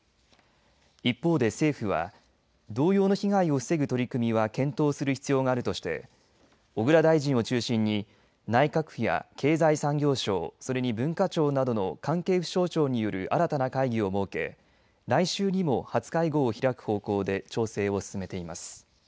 一方で政府は同様の被害を防ぐ取り組みは検討する必要があるとして小倉大臣を中心に内閣府や経済産業省それに文化庁などの関係府省庁による新たな会議を設け来週にも初会合を開く方向で調整を進めています。